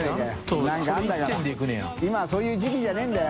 そういう時季じゃねぇんだよ。